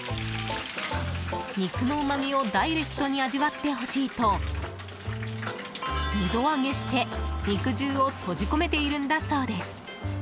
肉のうまみをダイレクトに味わってほしいと２度揚げして、肉汁を閉じ込めているんだそうです。